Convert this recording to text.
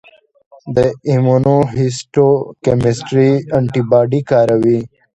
د ایمونوهیسټوکیمسټري انټي باډي کاروي.